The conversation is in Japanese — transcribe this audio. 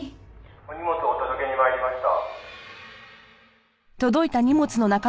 「お荷物お届けに参りました」